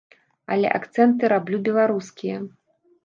Але акцэнты раблю беларускія.